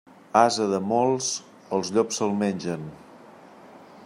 Ase de molts, els llops se'l mengen.